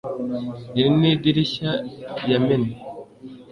Iri ni idirishya yamennye